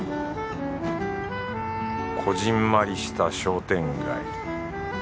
こぢんまりした商店街。